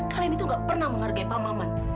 kalian itu nggak pernah menghargai pak maman